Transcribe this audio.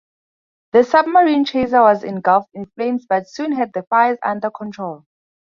The submarine chaser was engulfed in flames, but soon had the fires under control.